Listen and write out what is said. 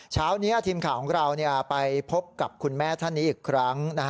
เช้านี้ทีมข่าวของเราไปพบกับคุณแม่ท่านนี้อีกครั้ง